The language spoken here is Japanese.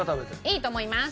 いいと思います。